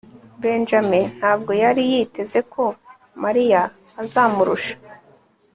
benjamin ntabwo yari yiteze ko mariya azamurusha